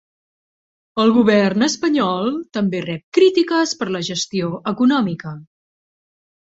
El govern espanyol també rep crítiques per la gestió econòmica.